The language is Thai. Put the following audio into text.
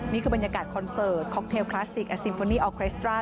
นี่คือบรรยากาศคอนเสิร์ตค็อกเทลคลาสสิกอาซิมเฟอร์นีออเครสตรา